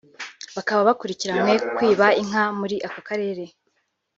bakaba bakurikiranyweho kwiba inka muri aka karere